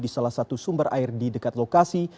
di salah satu sumber air di dekat lokasi